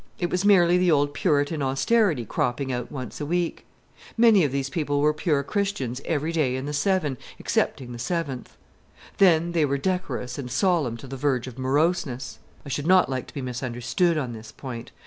It was merely the old Puritan austerity cropping out once a week. Many of these people were pure Christians every day in the seven excepting the seventh. Then they were decorous and solemn to the verge of moroseness. I should not like to be misunderstood on this point.